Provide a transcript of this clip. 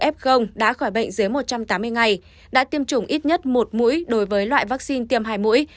f đã khỏi bệnh dưới một trăm tám mươi ngày đã tiêm chủng ít nhất một mũi đối với loại vaccine tiêm hải mũi